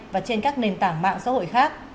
và trên các nền tảng mạng xã hội khác